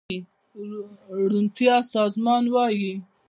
روڼتيا سازمان وايي